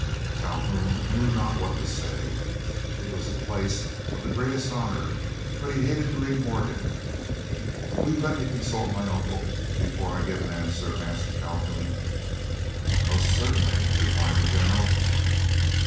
Calhoun knew not what to say; it was a place of the greatest honor, but he hated to leave Morgan. "Will you let me consult my uncle before I give an answer?" asked Calhoun. "Most certainly," replied the General.